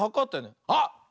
あっ！